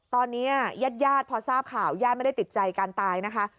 ตอนนี้ยาดพอทราบข่าวยาดไม่ได้ติดใจการตายนะคะ